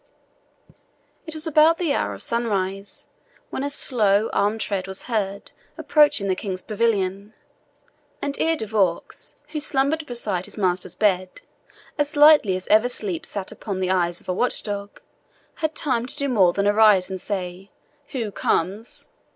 It was about the hour of sunrise, when a slow, armed tread was heard approaching the King's pavilion; and ere De Vaux, who slumbered beside his master's bed as lightly as ever sleep sat upon the eyes of a watch dog, had time to do more than arise and say, "Who comes?"